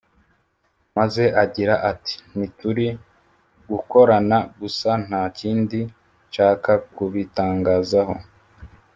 maze agira ati” Ntituri gukorana gusa nta kindi nshaka kubitangazaho